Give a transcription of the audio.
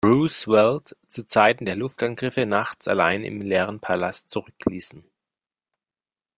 Roosevelt zu Zeiten der Luftangriffe nachts allein im leeren Palast zurückließen.